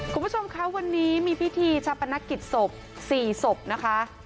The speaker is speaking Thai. คุณผู้ชมคะวันนี้มีพิธีชาปนกิจศพ๔ศพนะคะ